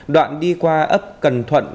đoạn đi qua ấp cần thuận